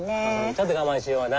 ちょっと我慢しような。